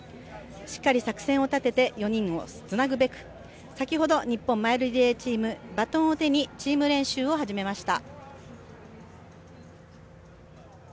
しっかり作戦を立てて４人をつなぐべく先ほど日本マイルリレーチーム、バトンを手にチーム練習を始めました。